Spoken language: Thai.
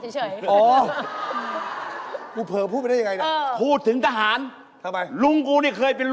เจ๊พูดอะไรนี่